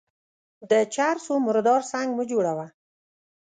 د چر سو مردار سنگ مه جوړوه.